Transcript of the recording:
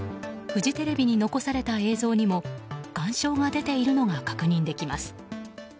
フジテレビに残された映像にも岩礁が出ているのが確認できます。